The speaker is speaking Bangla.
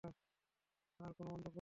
আর কোনও মন্তব্য নয়।